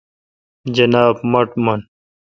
جناب-مٹھ من۔